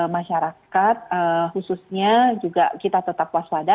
masyarakat khususnya juga kita tetap waspada